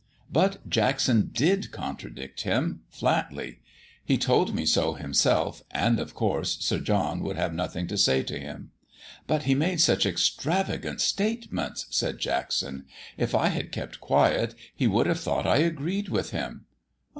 But Jackson did contradict him flatly; he told me so himself, and, of course, Sir John would have nothing to say to him. 'But he made such extravagant statements,' said Jackson. 'If I had kept quiet he would have thought I agreed with him.'